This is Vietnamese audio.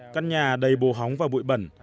căn nhà đầy bồ hóng và bụi bẩn